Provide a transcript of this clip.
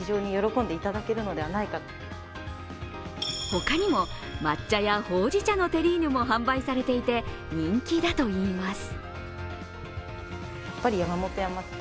他にも、抹茶やほうじ茶のテリーヌも販売されていて、人気だといいます。